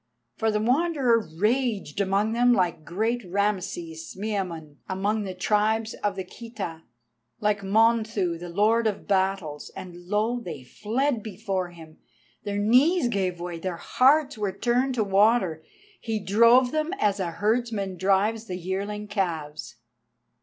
For the Wanderer raged among them like great Rameses Miamun among the tribes of the Khita; like Monthu, the Lord of Battles, and lo! they fled before him, their knees gave way, their hearts were turned to water, he drove them as a herdsman drives the yearling calves.